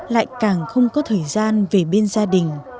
lại càng không có thời gian về bên gia đình